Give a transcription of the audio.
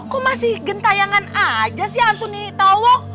kok masih gentayangan aja sih hantu nini towo